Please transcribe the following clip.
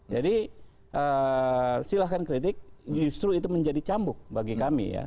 jadi silahkan kritik justru itu menjadi cambuk bagi kami ya